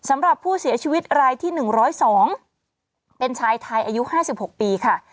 สำหรับผู้เสียชีวิตรายที่๑๐๒เป็นชายไทยอายุ๕๖ปีค่ะ